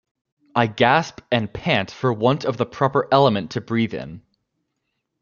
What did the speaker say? I gasp and pant for want of the proper element to breathe in.